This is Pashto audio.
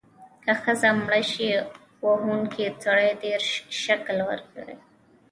که ښځه مړه شي، وهونکی سړی دیرش شِکِل ورکړي.